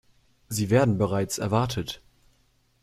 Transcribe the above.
Sie werden bereits erwartet.